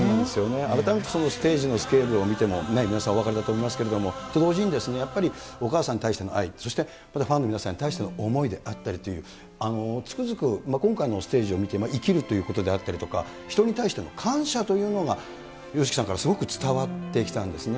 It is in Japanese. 改めてそのステージのスケールを見てもお分かりだと思いますけれども、と同時に、お母さんに対しての愛、そしてファンの皆さんに対しての思いであったり、つくづく今回のステージを見ても、生きるということであったりとか、人に対しての感謝というのが、ＹＯＳＨＩＫＩさんからすごく伝わってきたんですね。